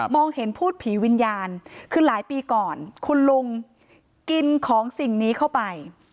เห็นพูดผีวิญญาณคือหลายปีก่อนคุณลุงกินของสิ่งนี้เข้าไป